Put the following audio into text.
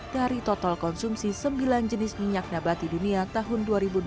dari total konsumsi sembilan jenis minyak nabati dunia tahun dua ribu dua puluh dua ribu dua puluh satu